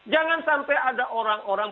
jangan sampai ada orang orang